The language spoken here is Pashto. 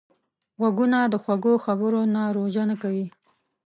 غوږونه د خوږو خبرو نه روژه نه کوي